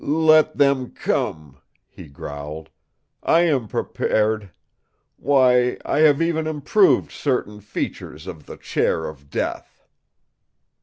"Let them come," he growled. "I am prepared. Why, I have even improved certain features of the Chair of Death."